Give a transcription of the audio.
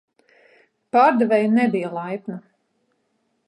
Pārdevēja nebija laipna